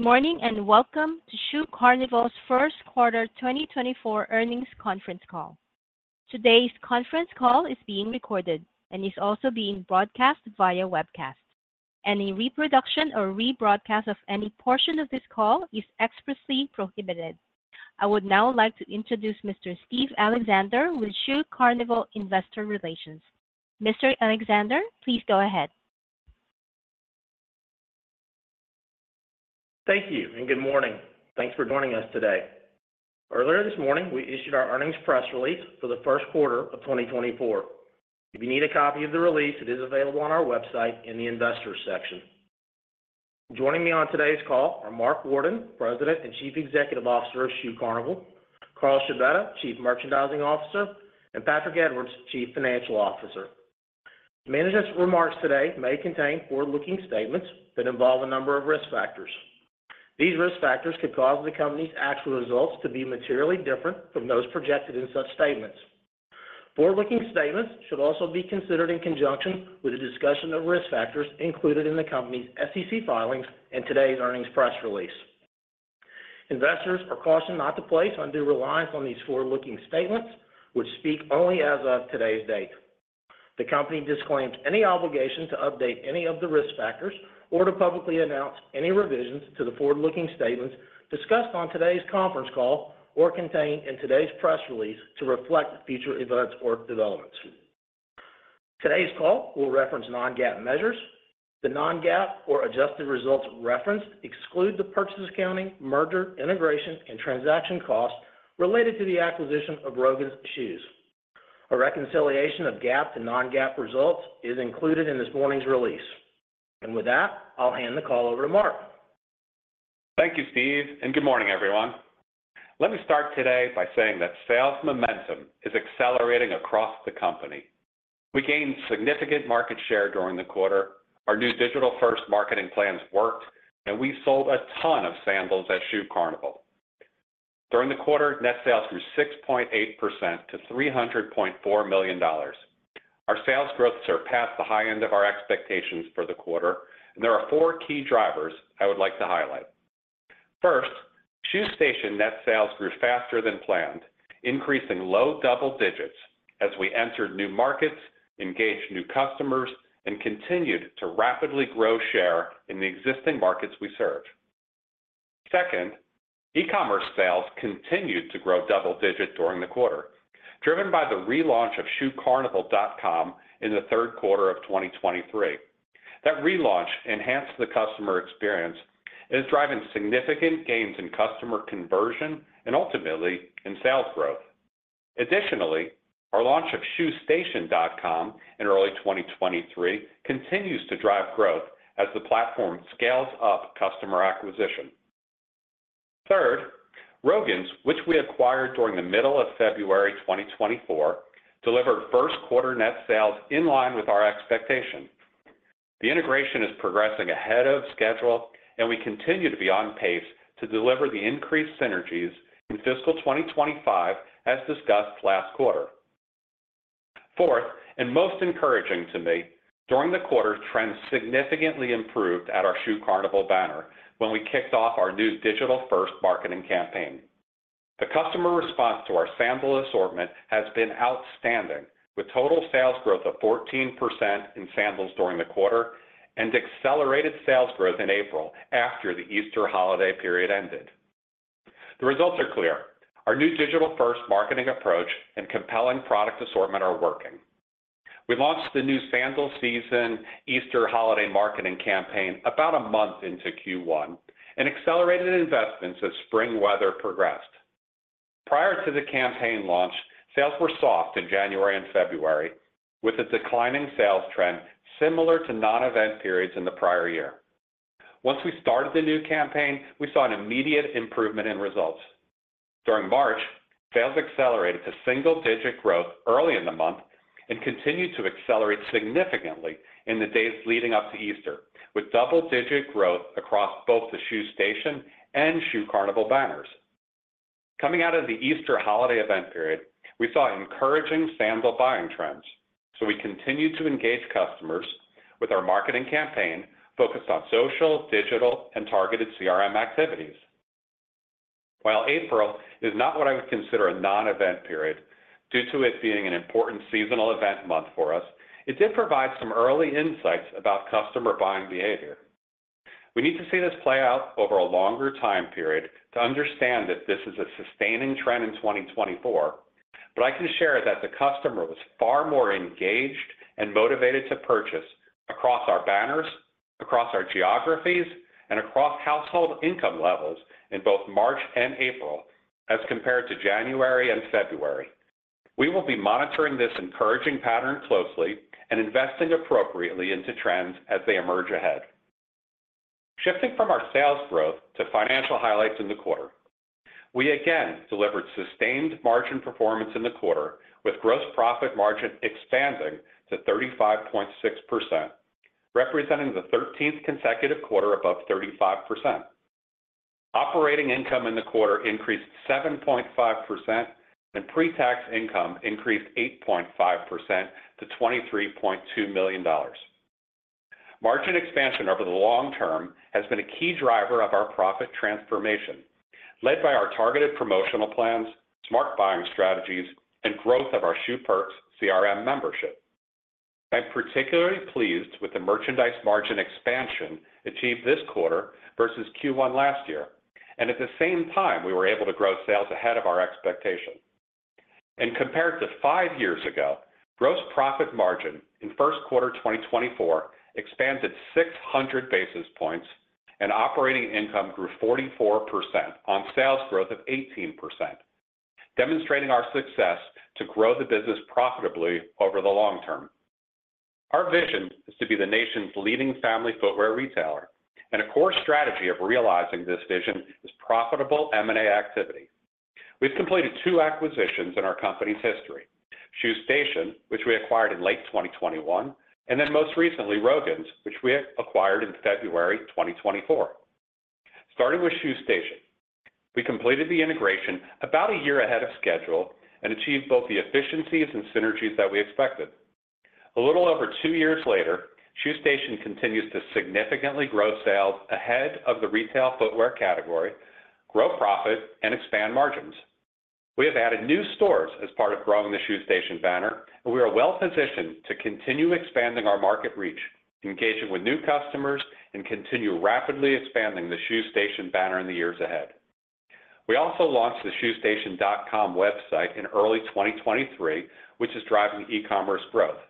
Good morning, and welcome to Shoe Carnival's First Quarter 2024 Earnings Conference Call. Today's conference call is being recorded and is also being broadcast via webcast. Any reproduction or rebroadcast of any portion of this call is expressly prohibited. I would now like to introduce Mr. Steve Alexander with Shoe Carnival Investor Relations. Mr. Alexander, please go ahead. Thank you, and good morning. Thanks for joining us today. Earlier this morning, we issued our earnings press release for the first quarter of 2024. If you need a copy of the release, it is available on our website in the Investors section. Joining me on today's call are Mark Worden, President and Chief Executive Officer of Shoe Carnival, Carl Scibetta, Chief Merchandising Officer, and Patrick Edwards, Chief Financial Officer. Management's remarks today may contain forward-looking statements that involve a number of risk factors. These risk factors could cause the company's actual results to be materially different from those projected in such statements. Forward-looking statements should also be considered in conjunction with a discussion of risk factors included in the company's SEC filings and today's earnings press release. Investors are cautioned not to place undue reliance on these forward-looking statements, which speak only as of today's date. The company disclaims any obligation to update any of the risk factors or to publicly announce any revisions to the forward-looking statements discussed on today's conference call or contained in today's press release to reflect future events or developments. Today's call will reference non-GAAP measures. The non-GAAP or adjusted results referenced exclude the purchase accounting, merger, integration, and transaction costs related to the acquisition of Rogan's Shoes. A reconciliation of GAAP to non-GAAP results is included in this morning's release. With that, I'll hand the call over to Mark. Thank you, Steve, and good morning, everyone. Let me start today by saying that sales momentum is accelerating across the company. We gained significant market share during the quarter. Our new digital-first marketing plans worked, and we sold a ton of sandals at Shoe Carnival. During the quarter, net sales grew 6.8% to $300.4 million. Our sales growth surpassed the high end of our expectations for the quarter, and there are four key drivers I would like to highlight. First, Shoe Station net sales grew faster than planned, increasing low double digits as we entered new markets, engaged new customers, and continued to rapidly grow share in the existing markets we serve. Second, e-commerce sales continued to grow double digit during the quarter, driven by the relaunch of shoecarnival.com in the third quarter of 2023. That relaunch enhanced the customer experience and is driving significant gains in customer conversion and ultimately in sales growth. Additionally, our launch of shoestation.com in early 2023 continues to drive growth as the platform scales up customer acquisition. Third, Rogan's, which we acquired during the middle of February 2024, delivered first quarter net sales in line with our expectations. The integration is progressing ahead of schedule, and we continue to be on pace to deliver the increased synergies in fiscal 2025, as discussed last quarter. Fourth, and most encouraging to me, during the quarter, trends significantly improved at our Shoe Carnival banner when we kicked off our new digital-first marketing campaign. The customer response to our sandal assortment has been outstanding, with total sales growth of 14% in sandals during the quarter and accelerated sales growth in April after the Easter holiday period ended. The results are clear. Our new digital-first marketing approach and compelling product assortment are working. We launched the new Sandal Season Easter holiday marketing campaign about a month into Q1 and accelerated investments as spring weather progressed. Prior to the campaign launch, sales were soft in January and February, with a declining sales trend similar to non-event periods in the prior year. Once we started the new campaign, we saw an immediate improvement in results. During March, sales accelerated to single-digit growth early in the month and continued to accelerate significantly in the days leading up to Easter, with double-digit growth across both the Shoe Station and Shoe Carnival banners. Coming out of the Easter holiday event period, we saw encouraging sandal buying trends, so we continued to engage customers with our marketing campaign focused on social, digital, and targeted CRM activities. While April is not what I would consider a non-event period due to it being an important seasonal event month for us, it did provide some early insights about customer buying behavior. We need to see this play out over a longer time period to understand that this is a sustaining trend in 2024, but I can share that the customer was far more engaged and motivated to purchase across our banners, across our geographies, and across household income levels in both March and April as compared to January and February. We will be monitoring this encouraging pattern closely and investing appropriately into trends as they emerge ahead. Shifting from our sales growth to financial highlights in the quarter. We again delivered sustained margin performance in the quarter, with gross profit margin expanding to 35.6%, representing the 13th consecutive quarter above 35%. Operating income in the quarter increased 7.5%, and pre-tax income increased 8.5% to $23.2 million. Margin expansion over the long term has been a key driver of our profit transformation, led by our targeted promotional plans, smart buying strategies, and growth of our Shoe Perks CRM membership. I'm particularly pleased with the merchandise margin expansion achieved this quarter versus Q1 last year, and at the same time, we were able to grow sales ahead of our expectation. Compared to five years ago, gross profit margin in first quarter 2024 expanded 600 basis points, and operating income grew 44% on sales growth of 18%, demonstrating our success to grow the business profitably over the long term. Our vision is to be the nation's leading family footwear retailer, and a core strategy of realizing this vision is profitable M&A activity. We've completed two acquisitions in our company's history: Shoe Station, which we acquired in late 2021, and then most recently, Rogan's, which we acquired in February 2024. Starting with Shoe Station, we completed the integration about a year ahead of schedule and achieved both the efficiencies and synergies that we expected. A little over two years later, Shoe Station continues to significantly grow sales ahead of the retail footwear category, grow profit, and expand margins. We have added new stores as part of growing the Shoe Station banner, and we are well positioned to continue expanding our market reach, engaging with new customers, and continue rapidly expanding the Shoe Station banner in the years ahead. We also launched the shoestation.com website in early 2023, which is driving e-commerce growth.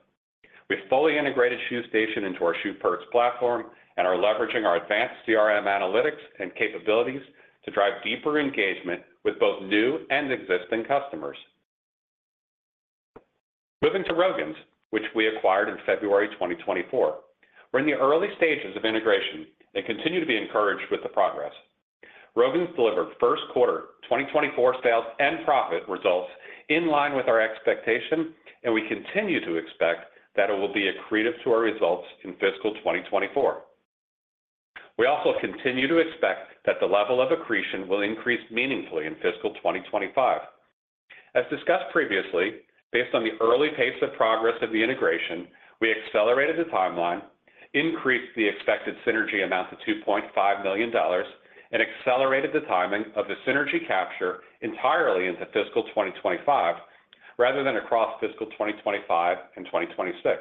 We've fully integrated Shoe Station into our Shoe Perks platform and are leveraging our advanced CRM analytics and capabilities to drive deeper engagement with both new and existing customers. Moving to Rogan's, which we acquired in February 2024. We're in the early stages of integration and continue to be encouraged with the progress. Rogan's delivered first quarter 2024 sales and profit results in line with our expectation, and we continue to expect that it will be accretive to our results in fiscal 2024. We also continue to expect that the level of accretion will increase meaningfully in fiscal 2025. As discussed previously, based on the early pace of progress of the integration, we accelerated the timeline, increased the expected synergy amount to $2.5 million, and accelerated the timing of the synergy capture entirely into fiscal 2025, rather than across fiscal 2025 and 2026.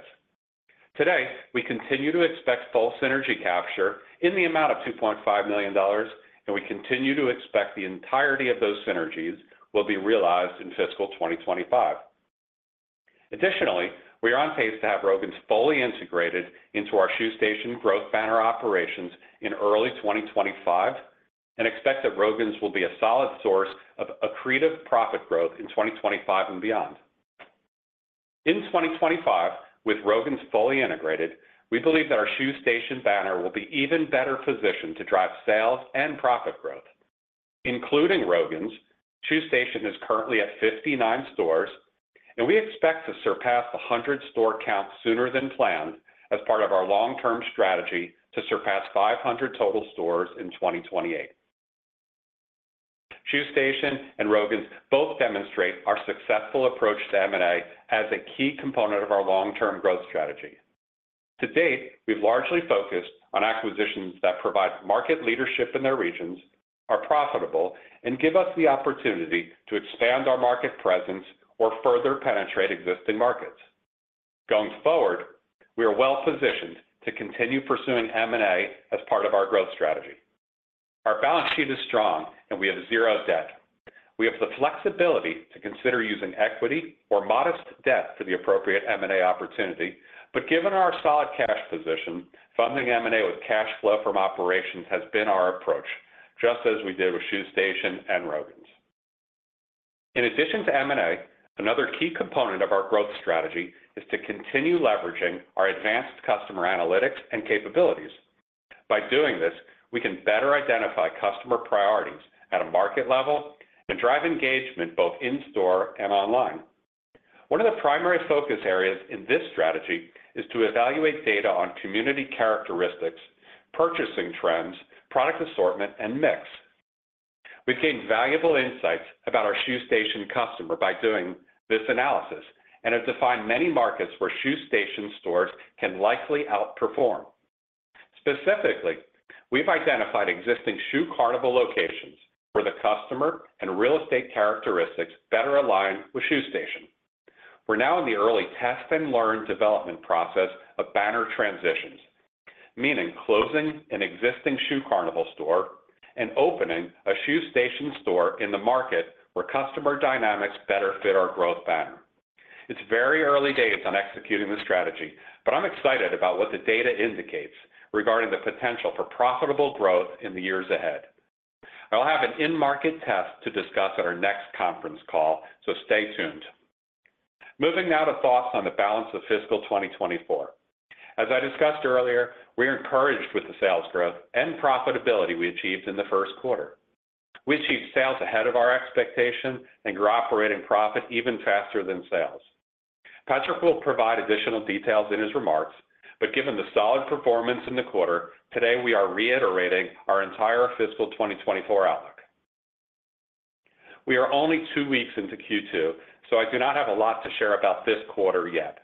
Today, we continue to expect full synergy capture in the amount of $2.5 million, and we continue to expect the entirety of those synergies will be realized in fiscal 2025. Additionally, we are on pace to have Rogan's fully integrated into our Shoe Station growth banner operations in early 2025 and expect that Rogan's will be a solid source of accretive profit growth in 2025 and beyond. In 2025, with Rogan's fully integrated, we believe that our Shoe Station banner will be even better positioned to drive sales and profit growth. Including Rogan's, Shoe Station is currently at 59 stores, and we expect to surpass the 100-store count sooner than planned as part of our long-term strategy to surpass 500 total stores in 2028. Shoe Station and Rogan's both demonstrate our successful approach to M&A as a key component of our long-term growth strategy. To date, we've largely focused on acquisitions that provide market leadership in their regions, are profitable, and give us the opportunity to expand our market presence or further penetrate existing markets. Going forward, we are well positioned to continue pursuing M&A as part of our growth strategy. Our balance sheet is strong, and we have zero debt. We have the flexibility to consider using equity or modest debt for the appropriate M&A opportunity, but given our solid cash position, funding M&A with cash flow from operations has been our approach, just as we did with Shoe Station and Rogan's. In addition to M&A, another key component of our growth strategy is to continue leveraging our advanced customer analytics and capabilities. By doing this, we can better identify customer priorities at a market level and drive engagement both in store and online. One of the primary focus areas in this strategy is to evaluate data on community characteristics, purchasing trends, product assortment, and mix. We've gained valuable insights about our Shoe Station customer by doing this analysis and have defined many markets where Shoe Station stores can likely outperform. Specifically, we've identified existing Shoe Carnival locations where the customer and real estate characteristics better align with Shoe Station. We're now in the early test-and-learn development process of banner transitions, meaning closing an existing Shoe Carnival store and opening a Shoe Station store in the market where customer dynamics better fit our growth banner. It's very early days on executing the strategy, but I'm excited about what the data indicates regarding the potential for profitable growth in the years ahead. I'll have an in-market test to discuss at our next conference call, so stay tuned. Moving now to thoughts on the balance of fiscal 2024. As I discussed earlier, we are encouraged with the sales growth and profitability we achieved in the first quarter. We achieved sales ahead of our expectation and grew operating profit even faster than sales. Patrick will provide additional details in his remarks, but given the solid performance in the quarter, today we are reiterating our entire fiscal 2024 outlook. We are only two weeks into Q2, so I do not have a lot to share about this quarter yet,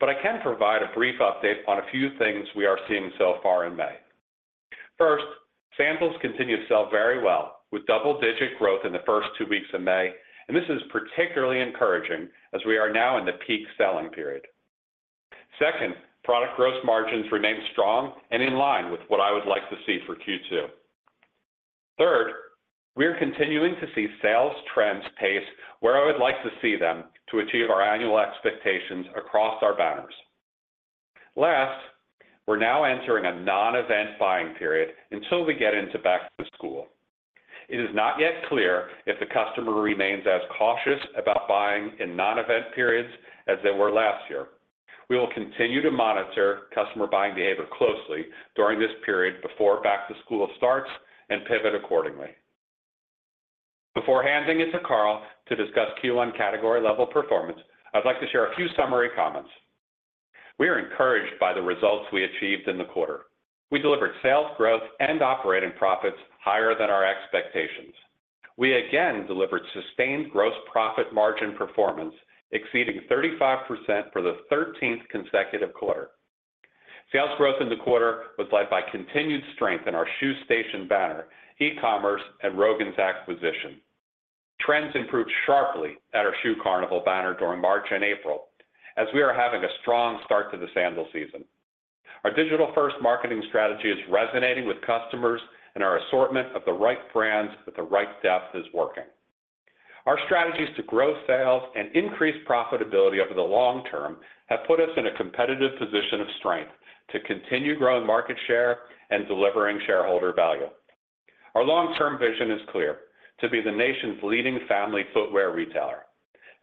but I can provide a brief update on a few things we are seeing so far in May. First, sandals continue to sell very well, with double-digit growth in the first two weeks of May, and this is particularly encouraging as we are now in the peak selling period. Second, product gross margins remain strong and in line with what I would like to see for Q2. Third, we are continuing to see sales trends pace where I would like to see them to achieve our annual expectations across our banners. Last, we're now entering a non-event buying period until we get into back to school. It is not yet clear if the customer remains as cautious about buying in non-event periods as they were last year. We will continue to monitor customer buying behavior closely during this period before back-to-school starts and pivot accordingly. Before handing it to Carl to discuss Q1 category level performance, I'd like to share a few summary comments. We are encouraged by the results we achieved in the quarter. We delivered sales growth and operating profits higher than our expectations. We again delivered sustained gross profit margin performance, exceeding 35% for the thirteenth consecutive quarter. Sales growth in the quarter was led by continued strength in our Shoe Station banner, e-commerce, and Rogan's acquisition. Trends improved sharply at our Shoe Carnival banner during March and April, as we are having a strong start to the sandal season. Our digital-first marketing strategy is resonating with customers, and our assortment of the right brands with the right depth is working. Our strategies to grow sales and increase profitability over the long term have put us in a competitive position of strength to continue growing market share and delivering shareholder value. Our long-term vision is clear: to be the nation's leading family footwear retailer,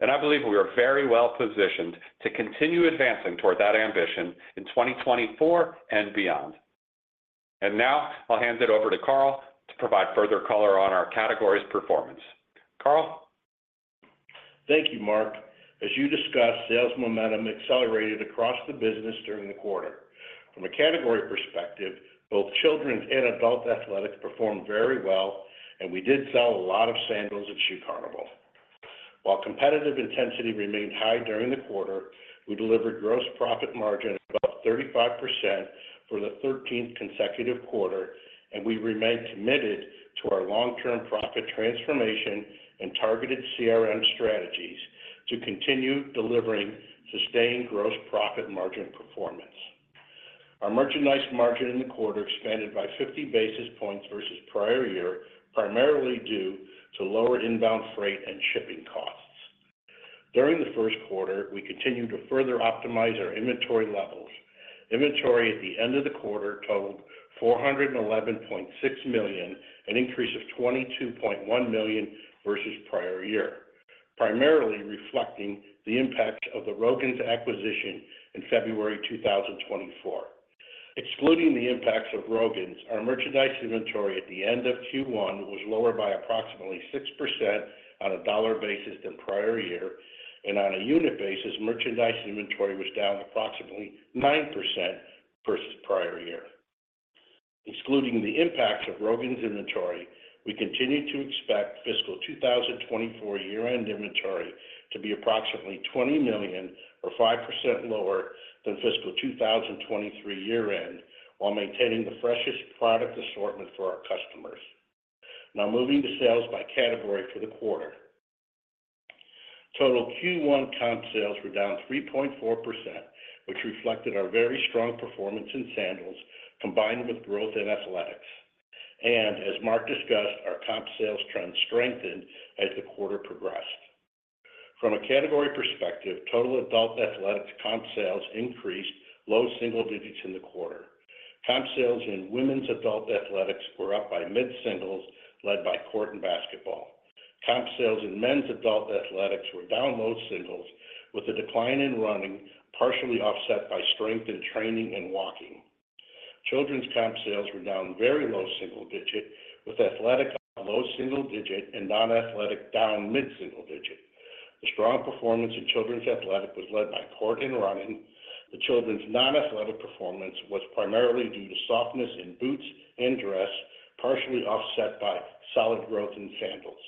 and I believe we are very well positioned to continue advancing toward that ambition in 2024 and beyond. Now I'll hand it over to Carl to provide further color on our categories performance. Carl? Thank you, Mark. As you discussed, sales momentum accelerated across the business during the quarter. From a category perspective, both children's and adult athletics performed very well, and we did sell a lot of sandals at Shoe Carnival. While competitive intensity remained high during the quarter, we delivered gross profit margin of about 35% for the thirteenth consecutive quarter, and we remain committed to our long-term profit transformation and targeted CRM strategies to continue delivering sustained gross profit margin performance. Our merchandise margin in the quarter expanded by 50 basis points versus prior year, primarily due to lower inbound freight and shipping costs. During the first quarter, we continued to further optimize our inventory levels. Inventory at the end of the quarter totaled $411.6 million, an increase of $22.1 million versus prior year, primarily reflecting the impact of the Rogan's acquisition in February 2024. Excluding the impacts of Rogan's, our merchandise inventory at the end of Q1 was lower by approximately 6% on a dollar basis than prior year, and on a unit basis, merchandise inventory was down approximately 9% versus prior year. Excluding the impacts of Rogan's inventory, we continue to expect fiscal 2024 year-end inventory to be approximately $20 million or 5% lower than fiscal 2023 year-end, while maintaining the freshest product assortment for our customers. Now, moving to sales by category for the quarter. Total Q1 comp sales were down 3.4%, which reflected our very strong performance in sandals combined with growth in athletics. As Mark discussed, our comp sales trend strengthened as the quarter progressed. From a category perspective, total adult athletics comp sales increased low single digits in the quarter. Comp sales in women's adult athletics were up by mid-singles, led by court and basketball. Comp sales in men's adult athletics were down low singles, with a decline in running, partially offset by strength in training and walking. Children's comp sales were down very low single digit, with athletic up low single digit and non-athletic down mid-single digit. The strong performance in children's athletic was led by court and running. The children's non-athletic performance was primarily due to softness in boots and dress, partially offset by solid growth in sandals.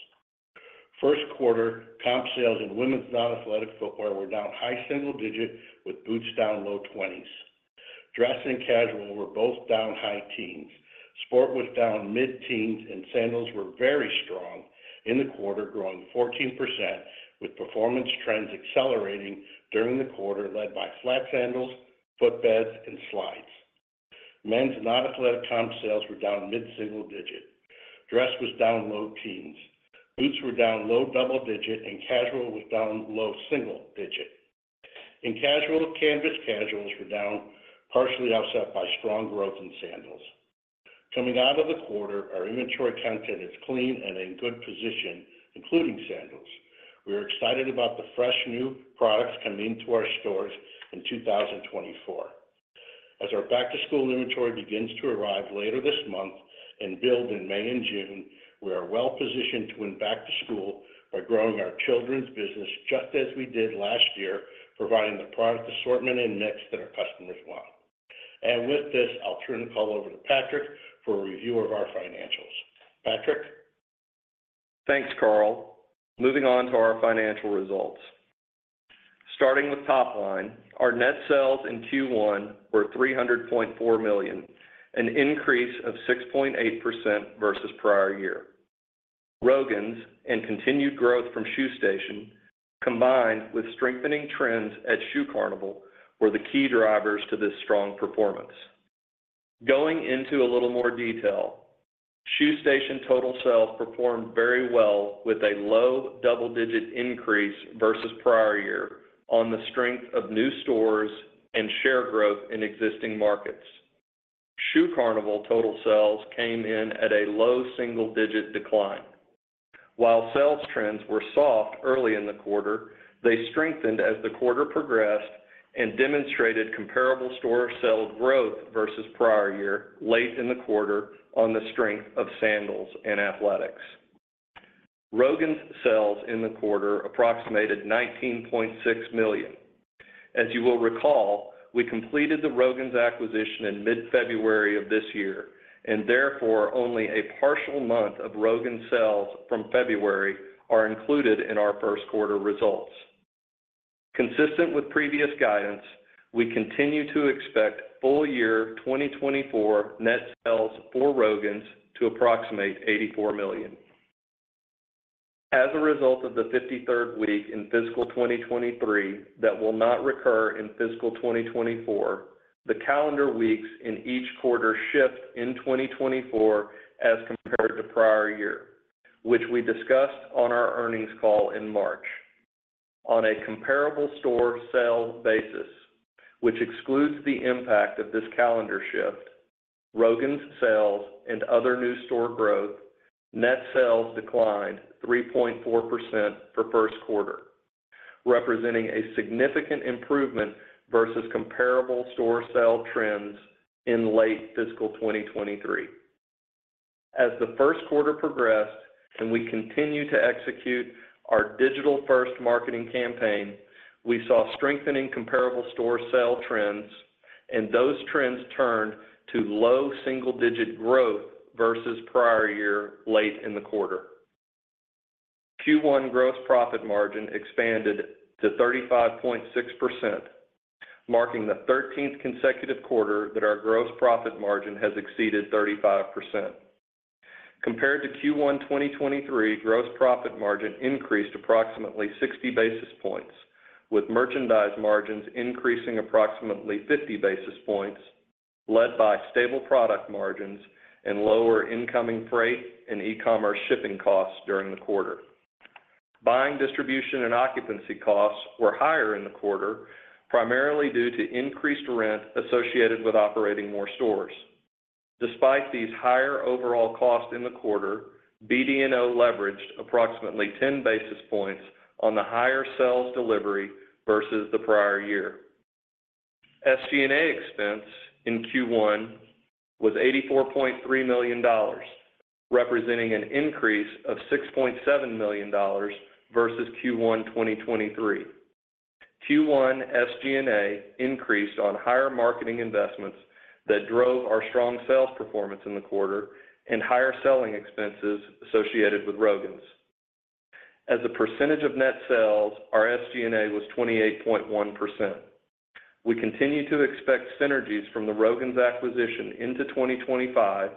First quarter comp sales in women's non-athletic footwear were down high single digit, with boots down low 20s. Dress and casual were both down high teens. Sport was down mid-teens, and sandals were very strong in the quarter, growing 14%, with performance trends accelerating during the quarter, led by flat sandals, footbeds, and slides. Men's non-athletic comp sales were down mid-single digit. Dress was down low teens. Boots were down low double digit, and casual was down low single digit. In casual, canvas casuals were down, partially offset by strong growth in sandals. Coming out of the quarter, our inventory content is clean and in good position, including sandals. We are excited about the fresh, new products coming into our stores in 2024. As our back-to-school inventory begins to arrive later this month and build in May and June, we are well-positioned to win back-to-school by growing our children's business, just as we did last year, providing the product assortment and mix that our customers want. And with this, I'll turn the call over to Patrick for a review of our financials. Patrick? Thanks, Carl. Moving on to our financial results. Starting with top line, our net sales in Q1 were $300.4 million, an increase of 6.8% versus prior year. Rogan's and continued growth from Shoe Station, combined with strengthening trends at Shoe Carnival, were the key drivers to this strong performance. Going into a little more detail, Shoe Station total sales performed very well, with a low double-digit increase versus prior year on the strength of new stores and share growth in existing markets. Shoe Carnival total sales came in at a low single-digit decline. While sales trends were soft early in the quarter, they strengthened as the quarter progressed and demonstrated comparable store sales growth versus prior year, late in the quarter on the strength of sandals and athletics. Rogan's sales in the quarter approximated $19.6 million. As you will recall, we completed the Rogan's acquisition in mid-February of this year, and therefore, only a partial month of Rogan's sales from February are included in our first quarter results. Consistent with previous guidance, we continue to expect full year 2024 net sales for Rogan's to approximate $84 million. As a result of the 53rd week in fiscal 2023, that will not recur in fiscal 2024, the calendar weeks in each quarter shift in 2024 as compared to prior year, which we discussed on our earnings call in March. On a comparable store sale basis, which excludes the impact of this calendar shift, Rogan's sales and other new store growth, net sales declined 3.4% for first quarter, representing a significant improvement versus comparable store sale trends in late fiscal 2023. As the first quarter progressed and we continued to execute our digital-first marketing campaign, we saw strengthening comparable store sale trends, and those trends turned to low single-digit growth versus prior year, late in the quarter. Q1 gross profit margin expanded to 35.6%, marking the 13th consecutive quarter that our gross profit margin has exceeded 35%. Compared to Q1 2023, gross profit margin increased approximately 60 basis points, with merchandise margins increasing approximately 50 basis points, led by stable product margins and lower incoming freight and e-commerce shipping costs during the quarter. Buying, distribution, and occupancy costs were higher in the quarter, primarily due to increased rent associated with operating more stores. Despite these higher overall costs in the quarter, BD&O leveraged approximately 10 basis points on the higher sales delivery versus the prior year. SG&A expense in Q1 was $84.3 million, representing an increase of $6.7 million versus Q1 2023. Q1 SG&A increased on higher marketing investments that drove our strong sales performance in the quarter and higher selling expenses associated with Rogan's. As a percentage of net sales, our SG&A was 28.1%. We continue to expect synergies from the Rogan's acquisition into 2025,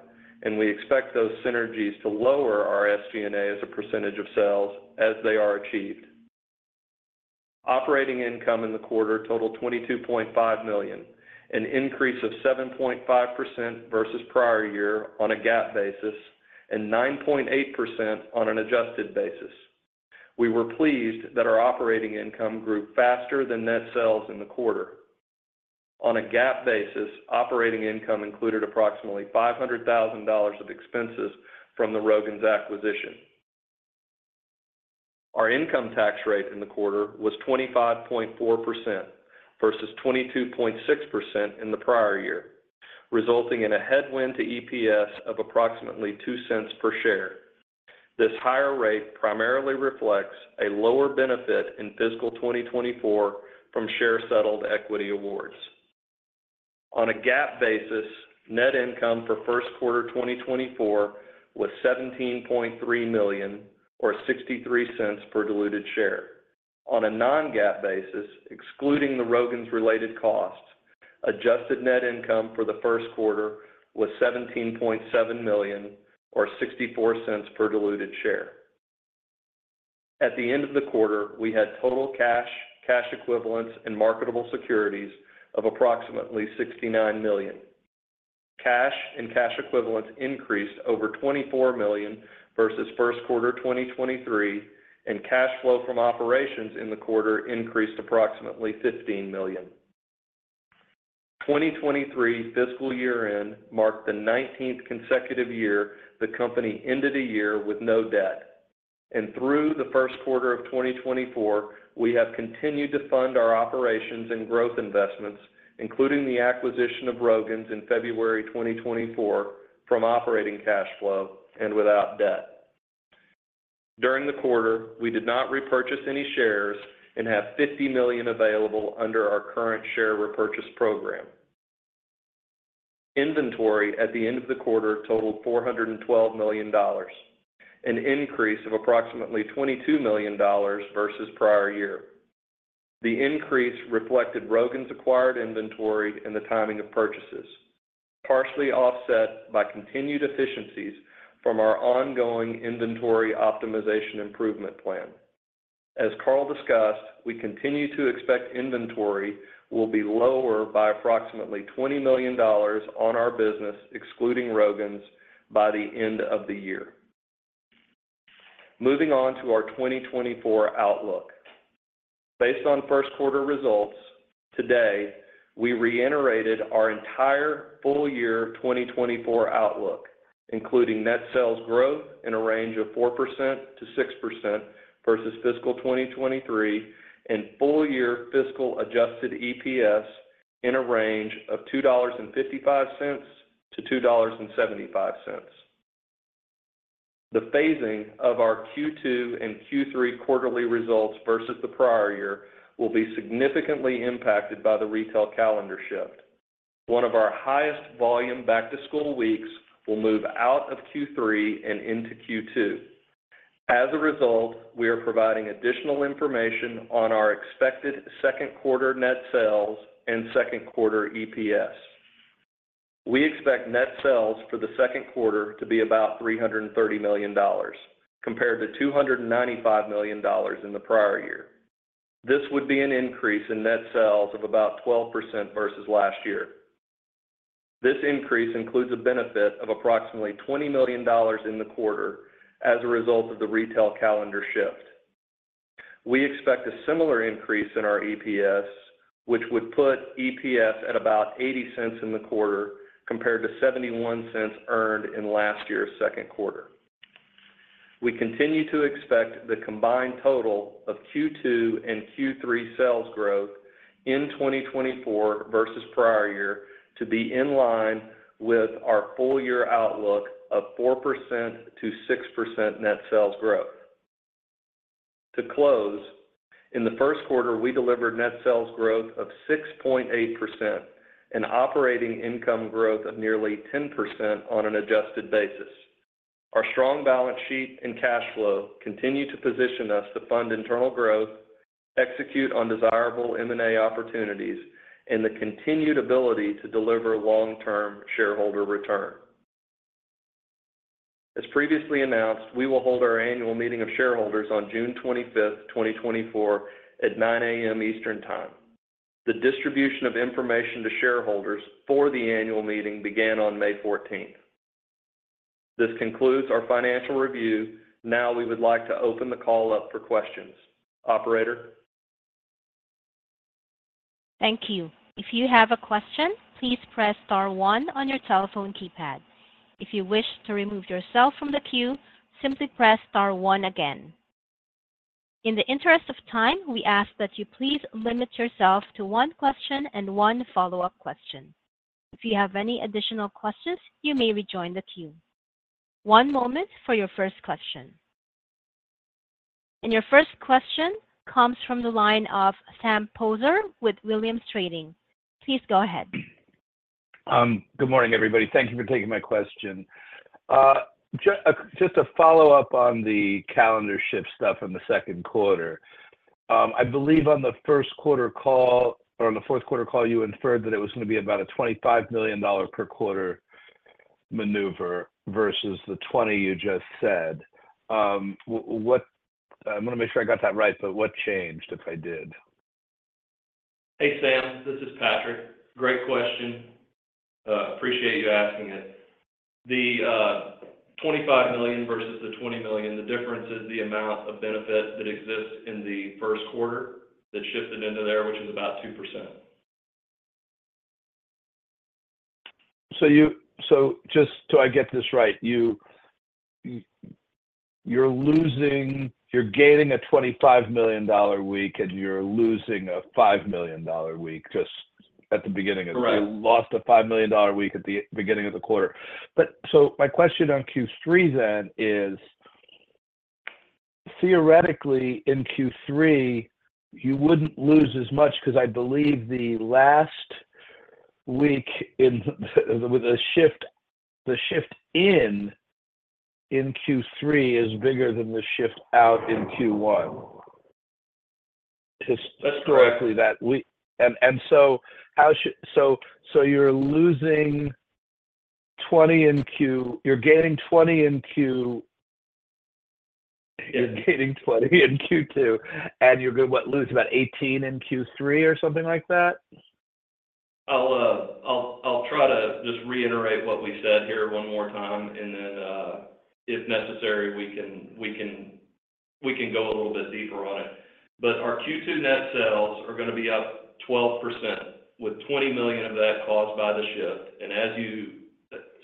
and we expect those synergies to lower our SG&A as a percentage of sales as they are achieved. Operating income in the quarter totaled $22.5 million, an increase of 7.5% versus prior year on a GAAP basis, and 9.8% on an adjusted basis. We were pleased that our operating income grew faster than net sales in the quarter. On a GAAP basis, operating income included approximately $500,000 of expenses from the Rogan's acquisition. Our income tax rate in the quarter was 25.4% versus 22.6% in the prior year, resulting in a headwind to EPS of approximately $0.02 per share. This higher rate primarily reflects a lower benefit in fiscal 2024 from share settled equity awards. On a GAAP basis, net income for first quarter 2024 was $17.3 million or $0.63 per diluted share. On a non-GAAP basis, excluding the Rogan's-related costs, adjusted net income for the first quarter was $17.7 million or $0.64 per diluted share. At the end of the quarter, we had total cash, cash equivalents, and marketable securities of approximately $69 million. Cash and cash equivalents increased over $24 million versus first quarter 2023, and cash flow from operations in the quarter increased approximately $15 million. 2023 fiscal year-end marked the 19th consecutive year the company ended a year with no debt. Through the first quarter of 2024, we have continued to fund our operations and growth investments, including the acquisition of Rogan's in February 2024, from operating cash flow and without debt. During the quarter, we did not repurchase any shares and have $50 million available under our current share repurchase program. Inventory at the end of the quarter totaled $412 million, an increase of approximately $22 million versus prior year. The increase reflected Rogan's acquired inventory and the timing of purchases, partially offset by continued efficiencies from our ongoing inventory optimization improvement plan. As Carl discussed, we continue to expect inventory will be lower by approximately $20 million on our business, excluding Rogan's, by the end of the year. Moving on to our 2024 outlook. Based on first quarter results, today, we reiterated our entire full year 2024 outlook, including net sales growth in a range of 4%-6% versus fiscal 2023, and full year fiscal adjusted EPS in a range of $2.55-$2.75. The phasing of our Q2 and Q3 quarterly results versus the prior year will be significantly impacted by the retail calendar shift. One of our highest volume back-to-school weeks will move out of Q3 and into Q2. As a result, we are providing additional information on our expected second quarter net sales and second quarter EPS. We expect net sales for the second quarter to be about $300 million, compared to $295 million in the prior year. This would be an increase in net sales of about 12% versus last year. This increase includes a benefit of approximately $20 million in the quarter as a result of the retail calendar shift. We expect a similar increase in our EPS, which would put EPS at about $0.80 in the quarter, compared to $0.71 earned in last year's second quarter. We continue to expect the combined total of Q2 and Q3 sales growth in 2024 versus prior year to be in line with our full year outlook of 4%-6% net sales growth. To close, in the first quarter, we delivered net sales growth of 6.8% and operating income growth of nearly 10% on an adjusted basis. Our strong balance sheet and cash flow continue to position us to fund internal growth, execute on desirable M&A opportunities, and the continued ability to deliver long-term shareholder return. As previously announced, we will hold our annual meeting of shareholders on June 25th, 2024 at 9:00 A.M. Eastern Time. The distribution of information to shareholders for the annual meeting began on May 14th. This concludes our financial review. Now, we would like to open the call up for questions. Operator? Thank you. If you have a question, please press star one on your telephone keypad. If you wish to remove yourself from the queue, simply press star one again. In the interest of time, we ask that you please limit yourself to one question and one follow-up question. If you have any additional questions, you may rejoin the queue. One moment for your first question. Your first question comes from the line of Sam Poser with Williams Trading. Please go ahead. Good morning, everybody. Thank you for taking my question. Just a follow-up on the calendar shift stuff in the second quarter. I believe on the first quarter call or on the fourth quarter call, you inferred that it was gonna be about a $25 million per quarter maneuver versus the $20 million you just said. What I wanna make sure I got that right, but what changed if I did? Hey, Sam, this is Patrick. Great question. Appreciate you asking it. The $25 million versus the $20 million, the difference is the amount of benefit that exists in the first quarter that shifted into there, which is about 2%. So just so I get this right, you're gaining a $25 million week, and you're losing a $5 million week just at the beginning of- Correct. You lost a $5 million week at the beginning of the quarter. But so my question on Q3 then is, theoretically, in Q3, you wouldn't lose as much because I believe the last week in with the shift, the shift in Q3 is bigger than the shift out in Q1. Just- That's correct. correctly, that we... And so how should—so you're losing 20 in Q... You're gaining 20 in Q2, and you're gonna, what, lose about 18 in Q3 or something like that? I'll try to just reiterate what we said here one more time, and then if necessary, we can go a little bit deeper on it. But our Q2 net sales are gonna be up 12%, with $20 million of that caused by the shift. And as you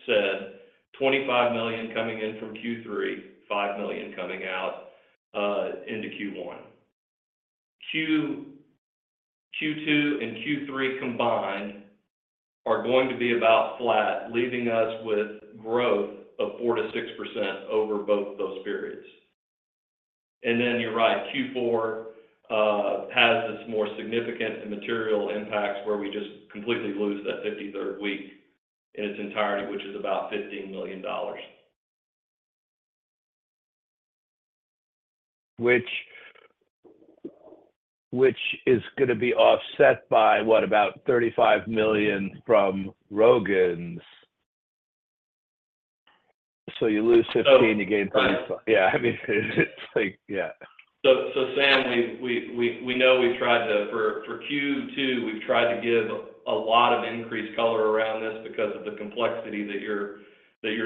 said $25 million coming in from Q3, $5 million coming out into Q1. Q2 and Q3 combined are going to be about flat, leaving us with growth of 4%-6% over both those periods. And then you're right, Q4 has this more significant and material impacts, where we just completely lose that 53rd week in its entirety, which is about $15 million. Which, which is gonna be offset by, what, about $35 million from Rogan's. So you lose $15 million, you gain $35 million. Yeah, I mean, it's like, yeah. So, Sam, we know we've tried to for Q2, we've tried to give a lot of increased color around this because of the complexity that you're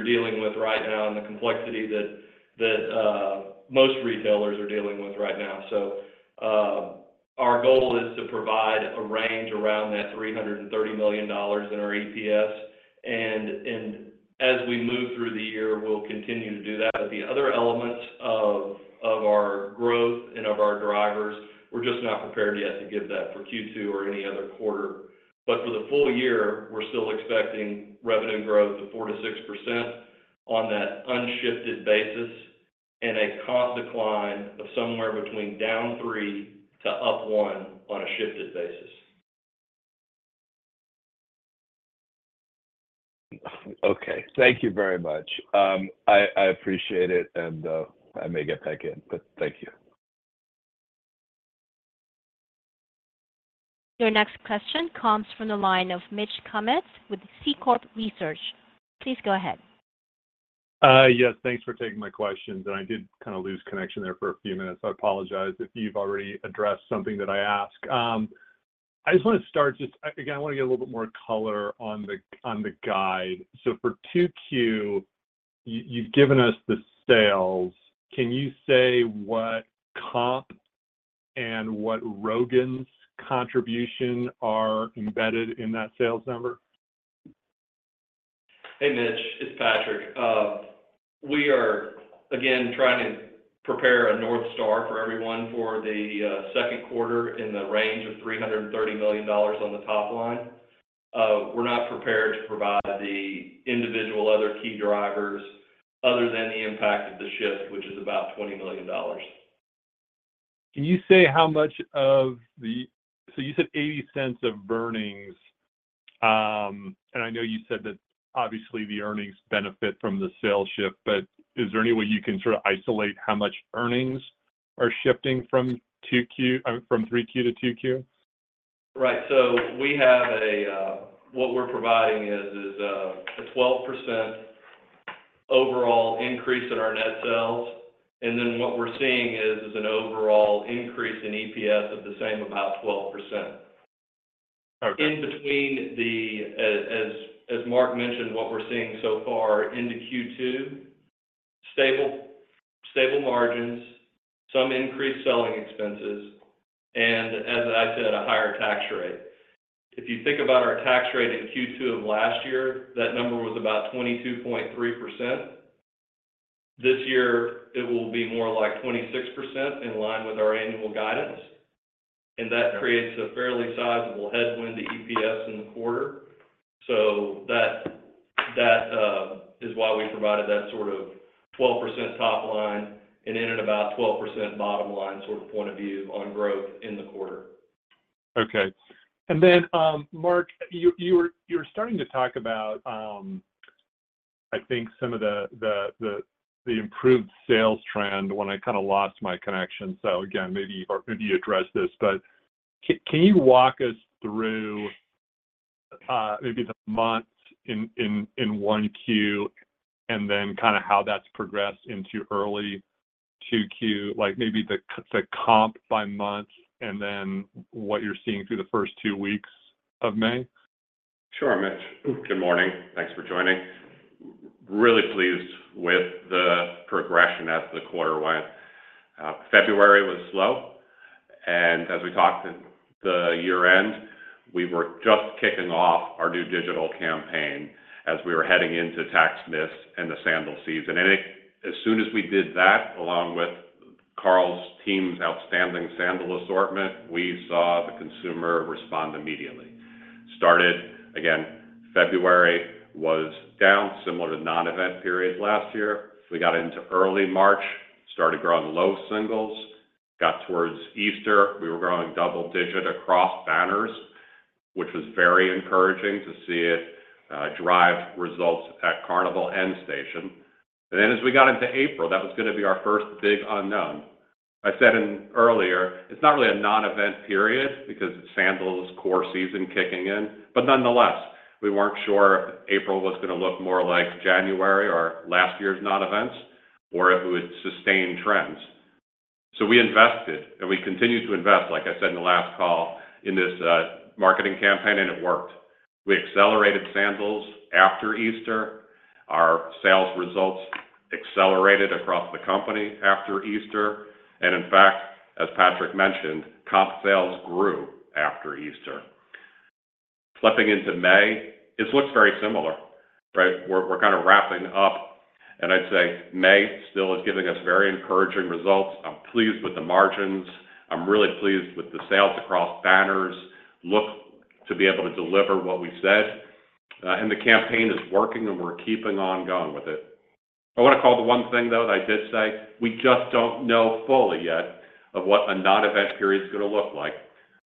dealing with right now and the complexity that most retailers are dealing with right now. So, our goal is to provide a range around that $330 million in our EPS, and as we move through the year, we'll continue to do that. But the other elements of our growth and of our drivers, we're just not prepared yet to give that for Q2 or any other quarter. But for the full year, we're still expecting revenue growth of 4%-6% on that unshifted basis and a cost decline of somewhere between down 3% to up 1% on a shifted basis. Okay. Thank you very much. I appreciate it, and I may get back in, but thank you. Your next question comes from the line of Mitch Kummetz with Seaport Research Partners. Please go ahead. Yes, thanks for taking my questions, and I did kinda lose connection there for a few minutes. I apologize if you've already addressed something that I asked. I just wanna start just... Again, I wanna get a little bit more color on the, on the guide. So for 2Q, you, you've given us the sales. Can you say what comp and what Rogan's contribution are embedded in that sales number? Hey, Mitch, it's Patrick. We are, again, trying to prepare a North Star for everyone for the second quarter in the range of $330 million on the top line. We're not prepared to provide the individual other key drivers other than the impact of the shift, which is about $20 million. So you said $0.80 of earnings, and I know you said that obviously the earnings benefit from the sales shift, but is there any way you can sort of isolate how much earnings are shifting from 2Q, from 3Q to 2Q? Right. So what we're providing is a 12% overall increase in our net sales, and then what we're seeing is an overall increase in EPS of the same, about 12%. Okay. In between the, as, as Mark mentioned, what we're seeing so far into Q2, stable, stable margins, some increased selling expenses, and as I said, a higher tax rate. If you think about our tax rate in Q2 of last year, that number was about 22.3%. This year, it will be more like 26%, in line with our annual guidance, and that creates a fairly sizable headwind to EPS in the quarter. So that, that, is why we provided that sort of 12% top line and ended about 12% bottom line sort of point of view on growth in the quarter. Okay. And then, Mark, you were starting to talk about, I think some of the improved sales trend when I kinda lost my connection. So again, maybe you've already addressed this, but can you walk us through, maybe the months in 1Q, and then kinda how that's progressed into early 2Q? Like, maybe the comp by month, and then what you're seeing through the first two weeks of May. Sure, Mitch. Good morning. Thanks for joining. Really pleased with the progression as the quarter went. February was slow, and as we talked at the year-end, we were just kicking off our new digital campaign as we were heading into tax season and the sandal season. And as soon as we did that, along with Carl's team's outstanding sandal assortment, we saw the consumer respond immediately. Started, again, February was down, similar to non-event periods last year. We got into early March, started growing low singles, got towards Easter, we were growing double digit across banners, which was very encouraging to see it drive results at Shoe Carnival and Shoe Station. And then as we got into April, that was gonna be our first big unknown. I said earlier, it's not really a non-event period because it's sandals' core season kicking in, but nonetheless, we weren't sure if April was gonna look more like January or last year's non-events, or if it would sustain trends. So we invested, and we continued to invest, like I said in the last call, in this marketing campaign, and it worked. We accelerated sandals after Easter. Our sales results accelerated across the company after Easter, and in fact, as Patrick mentioned, comp sales grew after Easter. Flipping into May, this looks very similar, right? We're kind of wrapping up, and I'd say May still is giving us very encouraging results. I'm pleased with the margins. I'm really pleased with the sales across banners. Look to be able to deliver what we said, and the campaign is working, and we're keeping on going with it. I wanna call the one thing, though, that I did say, we just don't know fully yet of what a non-event period is gonna look like,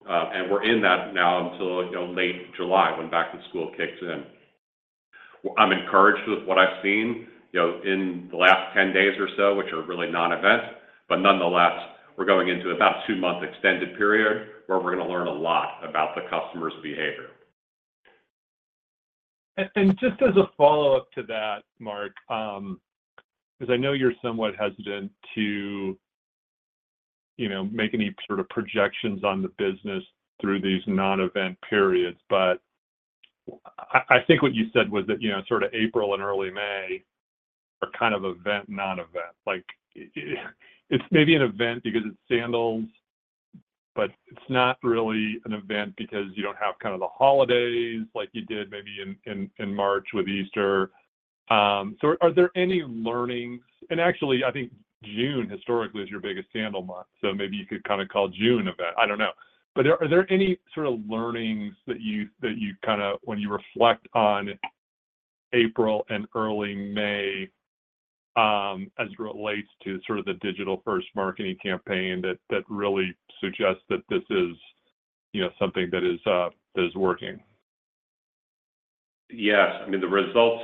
and we're in that now until, you know, late July, when back to school kicks in. I'm encouraged with what I've seen, you know, in the last 10 days or so, which are really non-event, but nonetheless, we're going into about a two-month extended period, where we're gonna learn a lot about the customer's behavior. And just as a follow-up to that, Mark, 'cause I know you're somewhat hesitant to, you know, make any sort of projections on the business through these non-event periods, but I think what you said was that, you know, sort of April and early May are kind of event, non-event. Like, it's maybe an event because it's sandals, but it's not really an event because you don't have kind of the holidays like you did maybe in March with Easter. So are there any learnings? And actually, I think June historically is your biggest sandal month, so maybe you could kind of call June event. I don't know. But are there any sort of learnings that you kind of, when you reflect on April and early May, as it relates to sort of the digital-first marketing campaign that really suggests that this is, you know, something that is working? Yes, I mean, the results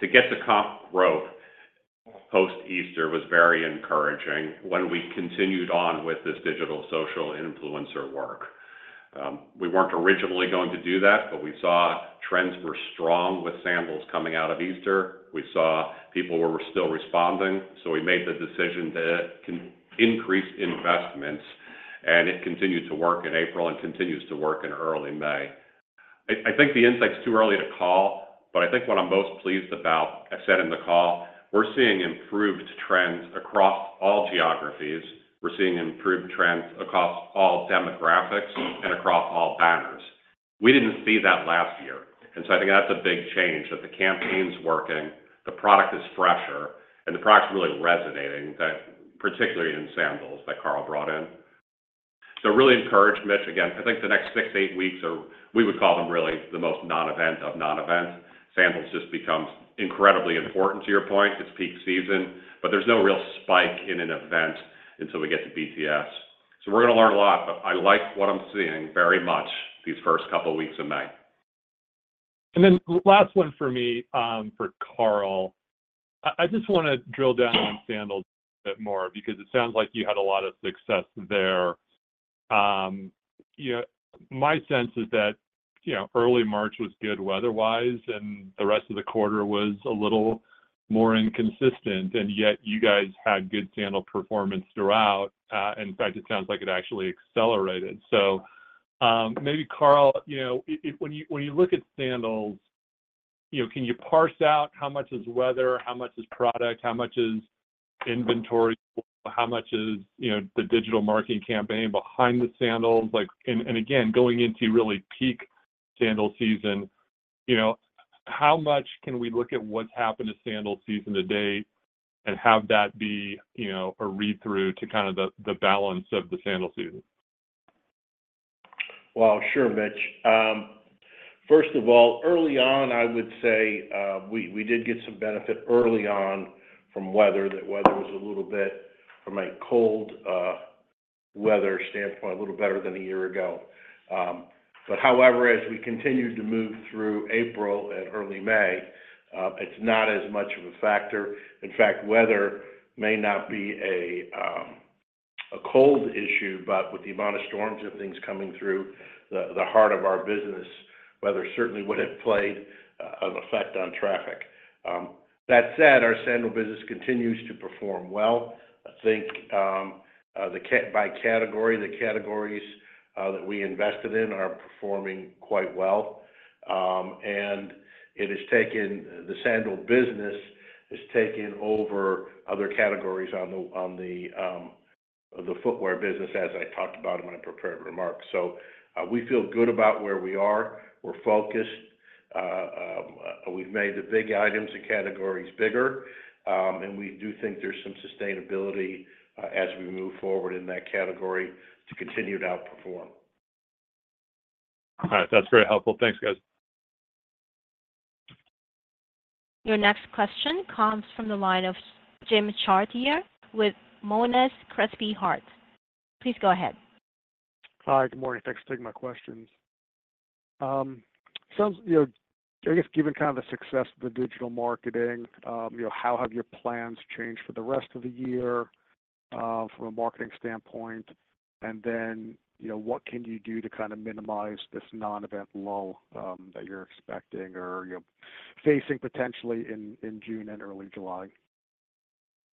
to get the comp growth post-Easter was very encouraging when we continued on with this digital social influencer work. We weren't originally going to do that, but we saw trends were strong with sandals coming out of Easter. We saw people were still responding, so we made the decision to increase investments, and it continued to work in April and continues to work in early May. I think the insight's too early to call, but I think what I'm most pleased about, I said in the call, we're seeing improved trends across all geographies. We're seeing improved trends across all demographics and across all banners. We didn't see that last year, and so I think that's a big change, that the campaign's working, the product is fresher, and the product's really resonating, that particularly in sandals that Carl brought in. So, really encouraged, Mitch. Again, I think the next six to eight weeks are... we would call them really the most non-event of non-event. Sandals just becomes incredibly important, to your point. It's peak season, but there's no real spike in an event until we get to BTS. So we're gonna learn a lot, but I like what I'm seeing very much these first couple weeks of May. And then last one for me, for Carl. I just wanna drill down on sandals a bit more because it sounds like you had a lot of success there. You know, my sense is that, you know, early March was good weather-wise, and the rest of the quarter was a little more inconsistent, and yet you guys had good sandal performance throughout. In fact, it sounds like it actually accelerated. So, maybe Carl, you know, when you, when you look at sandals, you know, can you parse out how much is weather, how much is product, how much is inventory, how much is, you know, the digital marketing campaign behind the sandals? Like, and again, going into really peak sandal season, you know, how much can we look at what's happened to sandal season to date and have that be, you know, a read-through to kind of the balance of the sandal season? Well, sure, Mitch. First of all, early on, I would say, we did get some benefit early on from weather. The weather was a little bit, from a cold, weather standpoint, a little better than a year ago. But however, as we continued to move through April and early May, it's not as much of a factor. In fact, weather may not be a cold issue, but with the amount of storms and things coming through the heart of our business, weather certainly would have played an effect on traffic. That said, our sandal business continues to perform well. I think, by category, the categories that we invested in are performing quite well, and it has taken... The sandal business has taken over other categories in the footwear business, as I talked about in my prepared remarks. So, we feel good about where we are. We're focused. We've made the big items and categories bigger, and we do think there's some sustainability, as we move forward in that category to continue to outperform. All right. That's very helpful. Thanks, guys. Your next question comes from the line of Jim Chartier with Monness, Crespi, Hardt. Please go ahead. Hi, good morning. Thanks for taking my questions. So, you know, I guess given kind of the success of the digital marketing, you know, how have your plans changed for the rest of the year, from a marketing standpoint? And then, you know, what can you do to kind of minimize this non-event lull that you're expecting or, you know, facing potentially in June and early July?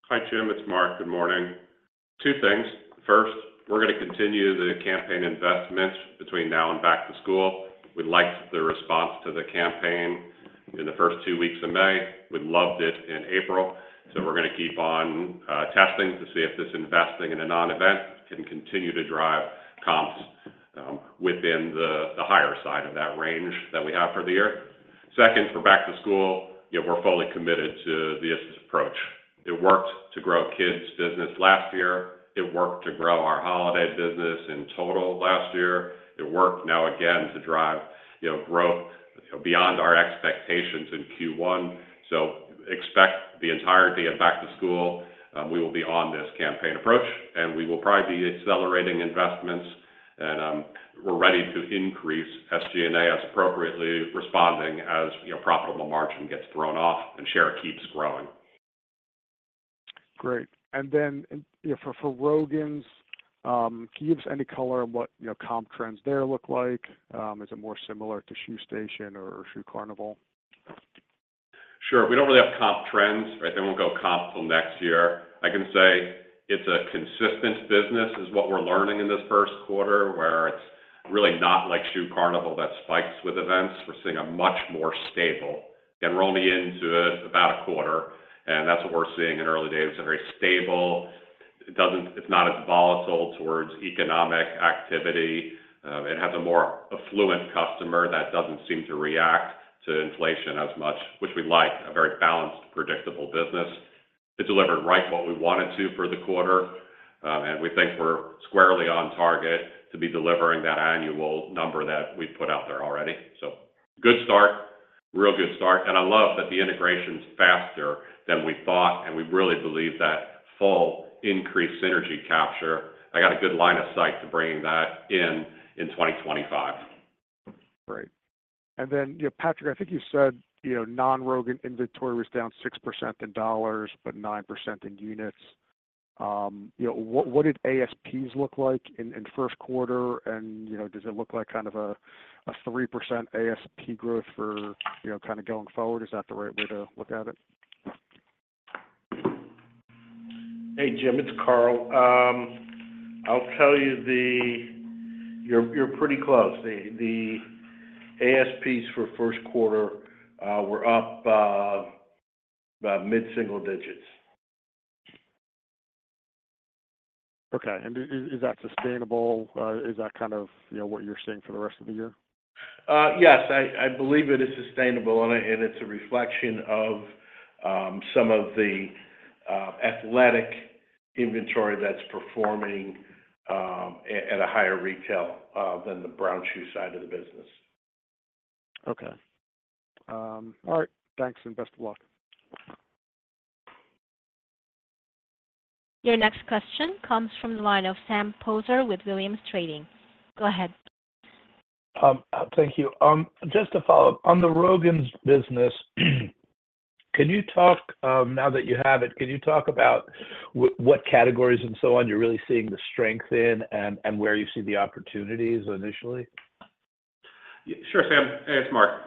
Hi, Jim, it's Mark. Good morning. Two things. First, we're gonna continue the campaign investments between now and back to school. We liked the response to the campaign in the first two weeks of May. We loved it in April, so we're gonna keep on testing to see if this investing in a non-event can continue to drive comps within the higher side of that range that we have for the year. Second, for back to school, yeah, we're fully committed to the assist approach. It worked to grow kids' business last year. It worked to grow our holiday business in total last year. It worked now again to drive, you know, growth, you know, beyond our expectations in Q1. Expect the entirety of back to school, we will be on this campaign approach, and we will probably be accelerating investments, and we're ready to increase SG&A as appropriately responding as, you know, profitable margin gets thrown off and share keeps growing. Great. And then, yeah, for, for Rogan's, can you give us any color on what, you know, comp trends there look like? Is it more similar to Shoe Station or Shoe Carnival? Sure. We don't really have comp trends. I think we'll go comp till next year. I can say it's a consistent business, is what we're learning in this first quarter, where it's really not like Shoe Carnival that spikes with events. We're seeing a much more stable, and we're only into it about a quarter, and that's what we're seeing in early days, a very stable. It doesn't. It's not as volatile towards economic activity. It has a more affluent customer that doesn't seem to react to inflation as much, which we like, a very balanced, predictable business. It delivered right what we wanted to for the quarter, and we think we're squarely on target to be delivering that annual number that we put out there already. So, good start, real good start, and I love that the integration's faster than we thought, and we really believe that full increased synergy capture. I got a good line of sight to bringing that in in 2025. Great. Then, yeah, Patrick, I think you said, you know, non-Rogan inventory was down 6% in dollars, but 9% in units. You know, what did ASPs look like in first quarter? And, you know, does it look like kind of a 3% ASP growth for, you know, kinda going forward? Is that the right way to look at it? Hey, Jim, it's Carl. I'll tell you. You're pretty close. The ASPs for first quarter were up about mid-single digits. Okay, and is that sustainable? Is that kind of, you know, what you're seeing for the rest of the year? Yes, I believe it is sustainable, and it's a reflection of some of the athletic inventory that's performing at a higher retail than the brown shoe side of the business. Okay. All right. Thanks, and best of luck. Your next question comes from the line of Sam Poser with Williams Trading. Go ahead. Thank you. Just to follow up, on the Rogan's business, can you talk... Now that you have it, can you talk about what categories and so on you're really seeing the strength in and where you see the opportunities initially? Sure, Sam. Hey, it's Mark.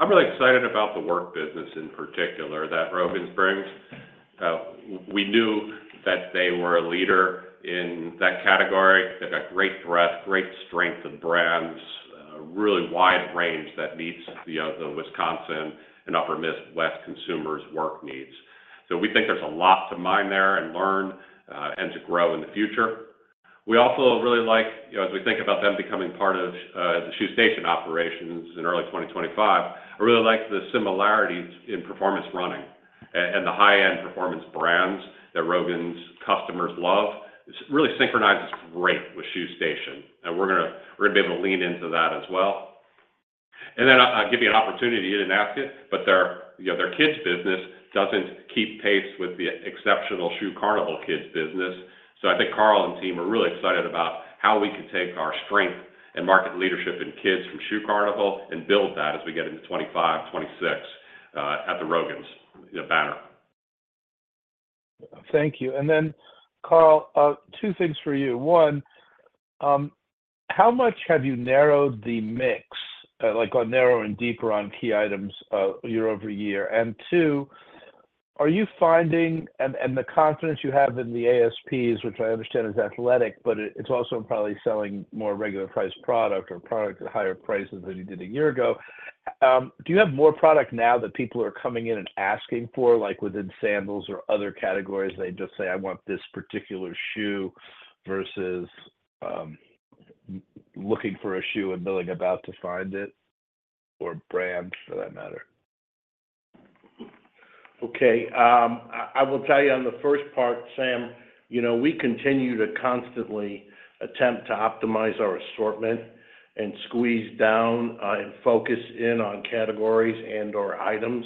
I'm really excited about the work business in particular that Rogan's brings. We knew that they were a leader in that category. They've got great breadth, great strength of brands, really wide range that meets the Wisconsin and Upper Midwest consumers' work needs. So we think there's a lot to mine there and learn, and to grow in the future. We also really like, you know, as we think about them becoming part of the Shoe Station operations in early 2025, I really like the similarities in performance running and the high-end performance brands that Rogan's customers love. It really synchronizes great with Shoe Station, and we're gonna, we're gonna be able to lean into that as well. And then, I'll give you an opportunity. You didn't ask it, but their, you know, their kids business doesn't keep pace with the exceptional Shoe Carnival kids business. So I think Carl and team are really excited about how we can take our strength and market leadership in kids from Shoe Carnival and build that as we get into 2025, 2026, at the Rogan's, you know, banner. Thank you. And then, Carl, two things for you. One, how much have you narrowed the mix, like on narrower and deeper on key items, year over year? And two, are you finding, and the confidence you have in the ASPs, which I understand is athletic, but it's also probably selling more regular priced product or product at higher prices than you did a year ago. Do you have more product now that people are coming in and asking for, like within sandals or other categories, they just say, "I want this particular shoe," versus, looking for a shoe and knowing about to find it, or brand for that matter? Okay, I will tell you on the first part, Sam, you know, we continue to constantly attempt to optimize our assortment and squeeze down, and focus in on categories and/or items.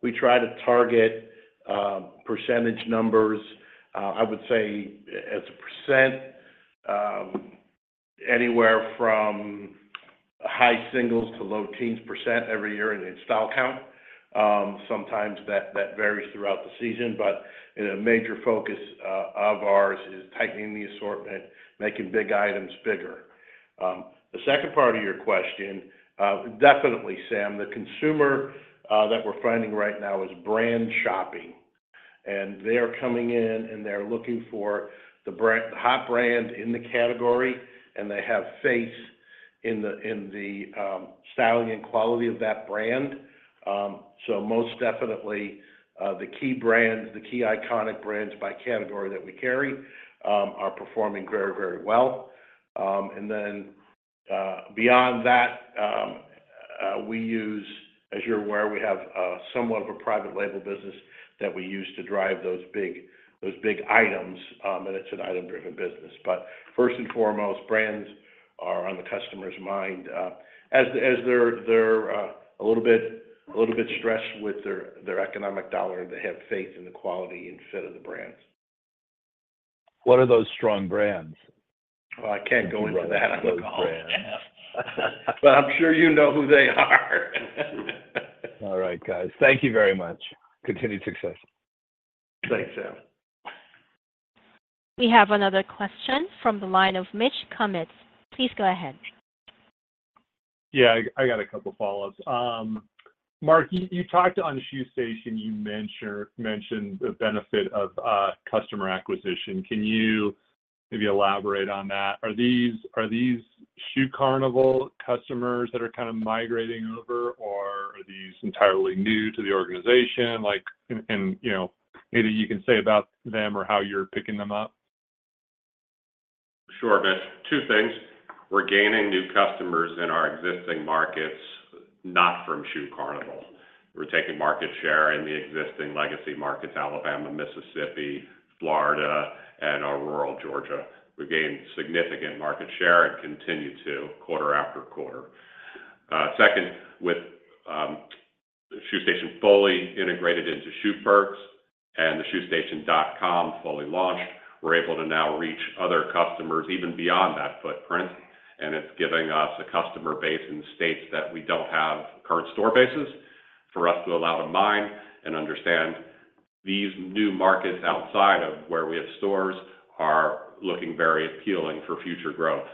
We try to target percentage numbers, I would say as a percent, anywhere from high singles to low teens % every year in style count. Sometimes that varies throughout the season, but, you know, a major focus of ours is tightening the assortment, making big items bigger. The second part of your question, definitely, Sam, the consumer that we're finding right now is brand shopping, and they are coming in, and they're looking for the brand-hot brand in the category, and they have faith in the styling and quality of that brand. So most definitely, the key brands, the key iconic brands by category that we carry, are performing very, very well. And then, beyond that, we use—as you're aware, we have, somewhat of a private label business that we use to drive those big, those big items, and it's an item-driven business. But first and foremost, brands are on the customer's mind, as they're a little bit stressed with their economic dollar, they have faith in the quality and fit of the brands. What are those strong brands? Well, I can't go into that on the call. Those brands. But I'm sure you know who they are. All right, guys. Thank you very much. Continued success. Thanks, Sam. We have another question from the line of Mitch Kummetz. Please go ahead. Yeah, I got a couple follow-ups. Mark, you talked on Shoe Station, you mentioned the benefit of customer acquisition. Can you maybe elaborate on that? Are these Shoe Carnival customers that are kind of migrating over, or are these entirely new to the organization? Like, you know, maybe you can say about them or how you're picking them up. Sure, Mitch. Two things. We're gaining new customers in our existing markets, not from Shoe Carnival. We're taking market share in the existing legacy markets, Alabama, Mississippi, Florida, and our rural Georgia. We've gained significant market share and continue to quarter after quarter. Second, with Shoe Station fully integrated into Shoe Perks and the shoestation.com fully launched, we're able to now reach other customers even beyond that footprint, and it's giving us a customer base in states that we don't have current store bases for us to allow to mine and understand these new markets outside of where we have stores are looking very appealing for future growth.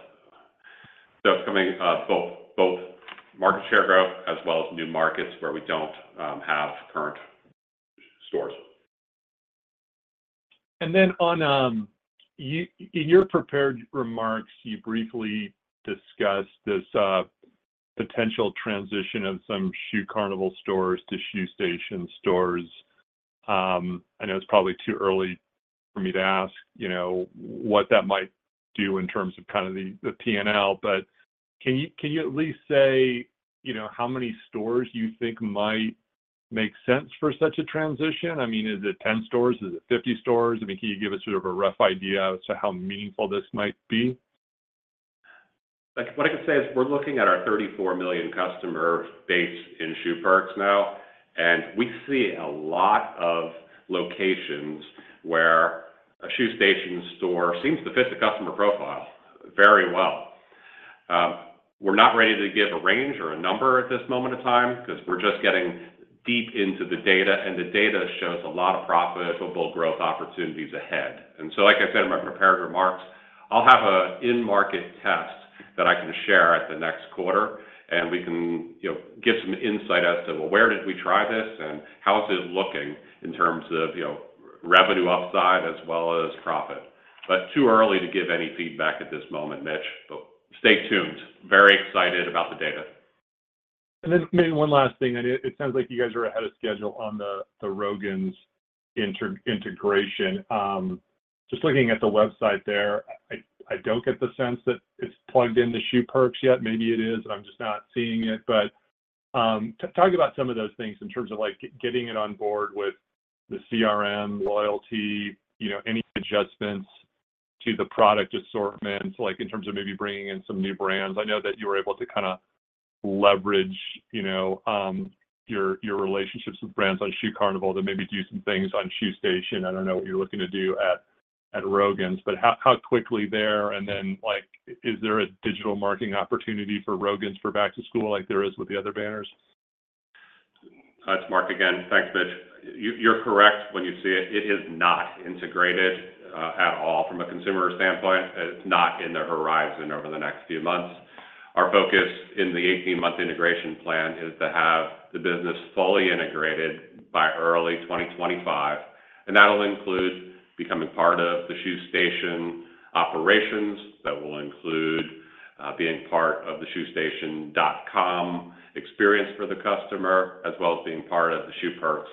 So it's coming, both, both market share growth as well as new markets where we don't have current stores. And then, in your prepared remarks, you briefly discussed this potential transition of some Shoe Carnival stores to Shoe Station stores. I know it's probably too early for me to ask, you know, what that might do in terms of kind of the, the P&L, but can you, can you at least say, you know, how many stores you think might make sense for such a transition? I mean, is it 10 stores? Is it 50 stores? I mean, can you give us sort of a rough idea as to how meaningful this might be? Like, what I can say is we're looking at our 34 million customer base in Shoe Perks now, and we see a lot of locations where a Shoe Station store seems to fit the customer profile very well. We're not ready to give a range or a number at this moment in time because we're just getting deep into the data, and the data shows a lot of profitable growth opportunities ahead. And so, like I said in my prepared remarks, I'll have an in-market test that I can share at the next quarter, and we can, you know, give some insight as to, well, where did we try this and how is it looking in terms of, you know, revenue upside as well as profit. But too early to give any feedback at this moment, Mitch, but stay tuned. Very excited about the data. And then maybe one last thing, and it sounds like you guys are ahead of schedule on the Rogan's integration. Just looking at the website there, I don't get the sense that it's plugged into Shoe Perks yet. Maybe it is, and I'm just not seeing it. But talk about some of those things in terms of, like, getting it on board with the CRM, loyalty, you know, any adjustments to the product assortment, like, in terms of maybe bringing in some new brands. I know that you were able to kind of leverage, you know, your relationships with brands on Shoe Carnival to maybe do some things on Shoe Station. I don't know what you're looking to do at Rogan's, but how quickly there, and then, like, is there a digital marketing opportunity for Rogan's for back to school, like there is with the other banners? It's Mark again. Thanks, Mitch. You're correct when you see it. It is not integrated at all from a consumer standpoint, and it's not in the horizon over the next few months. Our focus in the 18-month integration plan is to have the business fully integrated by early 2025, and that'll include becoming part of the Shoe Station operations. That will include being part of the shoestation.com experience for the customer, as well as being part of the Shoe Perks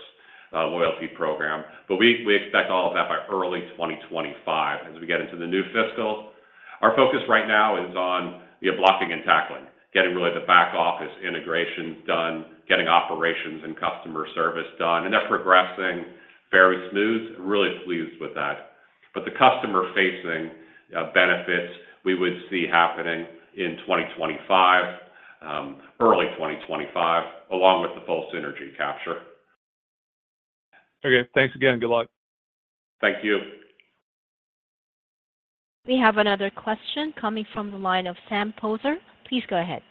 loyalty program. But we expect all of that by early 2025 as we get into the new fiscal. Our focus right now is on, yeah, blocking and tackling, getting really the back office integrations done, getting operations and customer service done, and that's progressing very smooth and really pleased with that. But the customer-facing benefits we would see happening in 2025, early 2025, along with the full synergy capture. Okay. Thanks again, good luck. Thank you. We have another question coming from the line of Sam Poser. Please go ahead.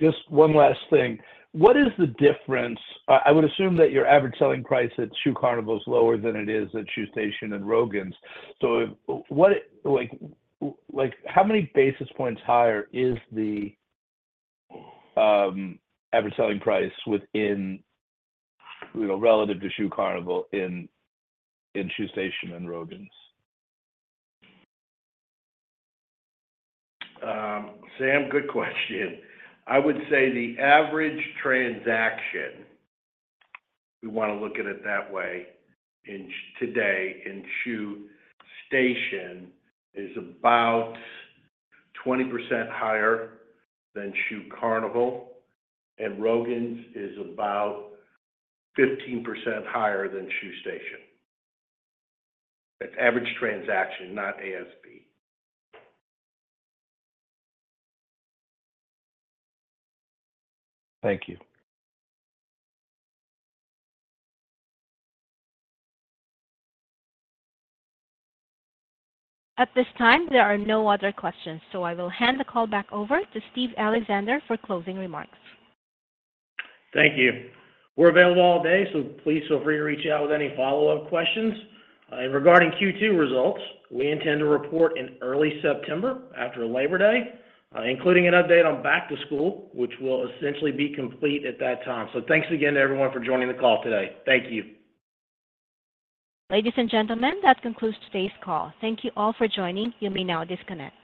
Just one last thing. What is the difference... I, I would assume that your average selling price at Shoe Carnival is lower than it is at Shoe Station and Rogan's. So what, like, like, how many basis points higher is the average selling price within, you know, relative to Shoe Carnival in, in Shoe Station and Rogan's? Sam, good question. I would say the average transaction, we want to look at it that way, in Shoe Station today is about 20% higher than Shoe Carnival, and Rogan's is about 15% higher than Shoe Station. That's average transaction, not ASP. Thank you. At this time, there are no other questions, so I will hand the call back over to Steve Alexander for closing remarks. Thank you. We're available all day, so please feel free to reach out with any follow-up questions. Regarding Q2 results, we intend to report in early September, after Labor Day, including an update on back to school, which will essentially be complete at that time. So thanks again to everyone for joining the call today. Thank you. Ladies and gentlemen, that concludes today's call. Thank you all for joining. You may now disconnect.